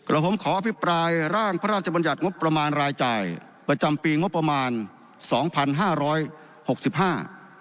แล้วผมขออภิปรายร่างพระราชบัญญัติงบประมาณรายจ่ายประจำปีงบประมาณสองพันห้าร้อยหกสิบห้า